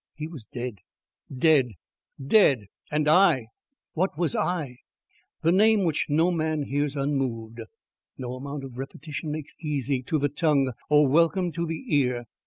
He was dead, DEAD, DEAD! And I? What was I? The name which no man hears unmoved, no amount of repetition makes easy to the tongue or welcome to the ear!...